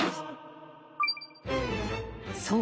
［そう］